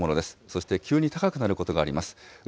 そして急に高くなることがあります。